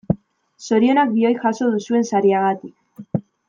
Zorionak bioi jaso duzuen sariagatik.